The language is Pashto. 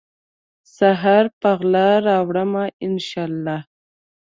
سحر په غلا راوړمه ، ان شا الله